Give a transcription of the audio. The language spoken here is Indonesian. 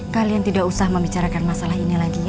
kalian tidak usah membicarakan masalah ini lagi